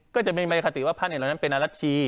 ก็จะเป็นมัยกติว่าพระเนรนดิ์เป็นอรัชชี